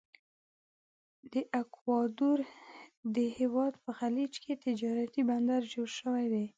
د اکوادور د هیواد په خلیج کې تجارتي بندر جوړ شوی دی.